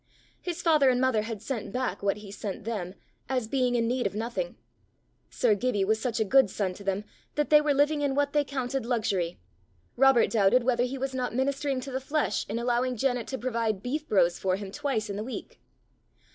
His father and mother had sent back what he sent them, as being in need of nothing: sir Gibbie was such a good son to them that they were living in what they counted luxury: Robert doubted whether he was not ministering to the flesh in allowing Janet to provide beef brose for him twice in the week!